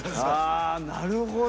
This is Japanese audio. あなるほど！